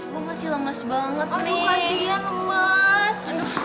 gue masih lemes banget nih aduh kasihnya lemes